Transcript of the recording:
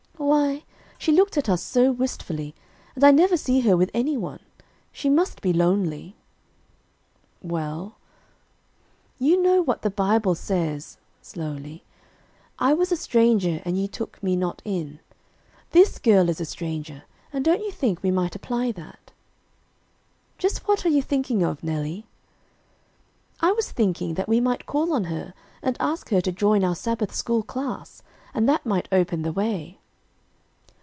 "Why she looked at us so wistfully, and I never see her with anyone; she must be lonely." "Well?" "You know what the Bible says," slowly: "'I was a stranger and ye took Me not in.' This girl is a stranger and don't you think we might apply that?" "Just what are you thinking of, Nellie?" "I was thinking that we might call on her and ask her to join our Sabbath school class, and that might open the way."